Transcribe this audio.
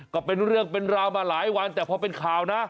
ก็เป็นเรื่องเป็นราวมาหลายวันแต่พอเป็นข่าวนะ